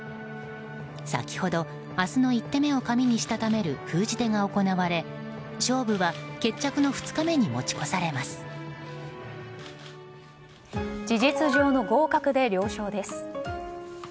先ほど明日の１手目を紙にしたためる封じ手が行われ勝負は決着の２日目に事実上の合格で了承です。